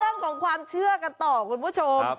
เรื่องของความเชื่อกันต่อคุณผู้ชม